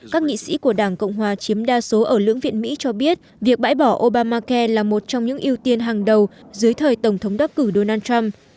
các nghị sĩ của đảng cộng hòa chiếm đa số ở lưỡng viện mỹ cho biết việc bãi bỏ obamacai là một trong những ưu tiên hàng đầu dưới thời tổng thống đắc cử donald trump